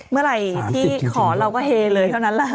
เมื่อไหร่ที่ขอเราก็เฮเลยเท่านั้นแหละ